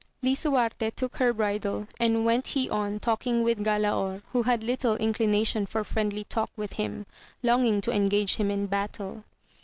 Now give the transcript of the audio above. Lisuarte took her bridle, and went he on talking with Galaor, who had little inclination for friendly talk AMADIS OF GAUL. 47 with Iiiin, longing to engage him in battle.